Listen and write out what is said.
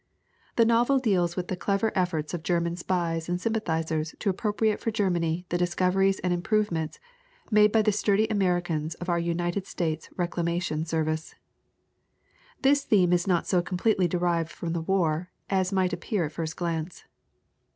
The novel deals with the clever efforts of German spies and sympathizers to appro priate for Germany the discoveries and improvements made by the sturdy Americans of our United States Reclamation Service. This theme is not so completely derived from the war as might appear at first glance.